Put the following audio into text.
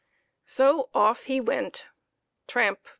So off he went, tramp!